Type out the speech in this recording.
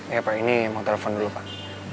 iya pak ini mau telepon dulu pak